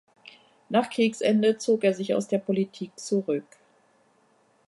Nach Kriegsende zog er sich aus der Politik zurück.